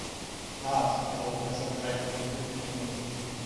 Hart, die Aufmerksamkeit von Publikum und Kritik.